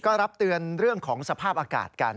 ก็รับเตือนเรื่องของสภาพอากาศกัน